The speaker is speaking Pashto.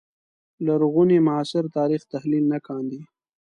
لرغوني معاصر تاریخ تحلیل نه کاندي